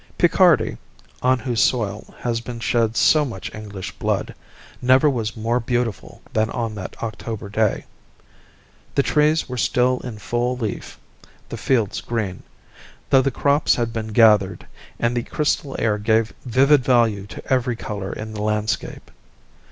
Picardy, on whose soil has been shed so much English blood, never was more beautiful than on that October day. The trees were still in full leaf, the fields green, though the crops had been gathered, and the crystal air gave vivid value to every colour in the landscape.